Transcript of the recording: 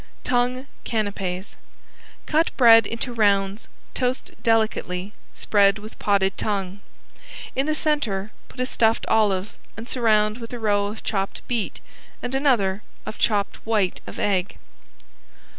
~TONGUE CANAPES~ Cut bread into rounds, toast delicately, spread with potted tongue. In the centre put a stuffed olive and surround with a row of chopped beet and another of chopped white of egg.